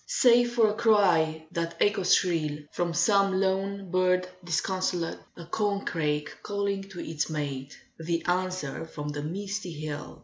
Save for a cry that echoes shrill From some lone bird disconsolate; A corncrake calling to its mate; The answer from the misty hill.